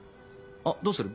あっどうする？